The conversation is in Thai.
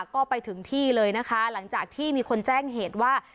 ก็ไปถึงที่เลยนะคะหลังจากที่มีคนแจ้งเหตุว่า